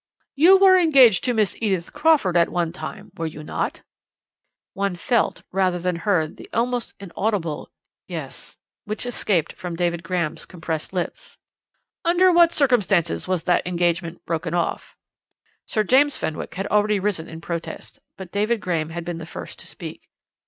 "'You were engaged to Miss Edith Crawford at one time, were you not?' "One felt, rather than heard, the almost inaudible 'Yes' which escaped from David Graham's compressed lips. "'Under what circumstances was that engagement broken off?' "Sir James Fenwick had already risen in protest, but David Graham had been the first to speak.